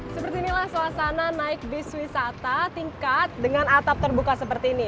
seperti inilah suasana naik bis wisata tingkat dengan atap terbuka seperti ini